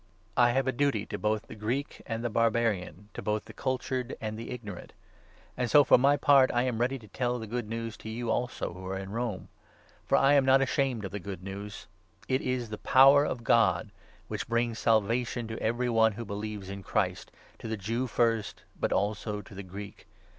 I have a duty to both the Greek and the Bar ideal barian, to both the cultured and the ignorant. for Mankind. ^nd So, for my part, I am ready to tell the Good News to you also who are in Rome. For I am not ashamed of the Good News ; it is the power of God which brings Salvation to every one who believes in Christ, to the Jew first, but also to the Greek.